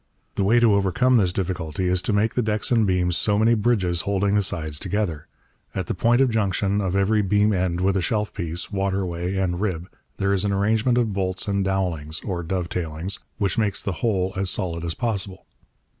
The way to overcome this difficulty is to make the decks and beams so many bridges holding the sides together. At the point of junction of every beam end with a shelf piece, waterway, and rib there is an arrangement of bolts and dowellings (or dovetailings) which makes the whole as solid as possible.